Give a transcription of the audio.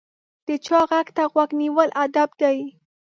د چا غږ ته غوږ نیول ادب دی.